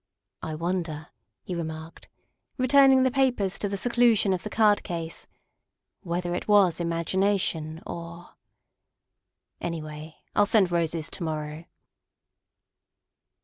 " I wonder," he remarked, returning the papers to the seclusion of the card case, " whether it was imagina tion or Anyway, I '11 send roses to morrow.